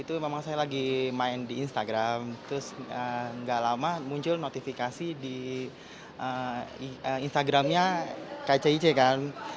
itu memang saya lagi main di instagram terus gak lama muncul notifikasi di instagramnya kcic kan